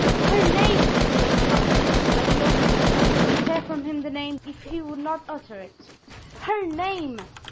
"Her name!" repeated the monk, bending over him as if to tear from him the name if he would not utter it; "her name!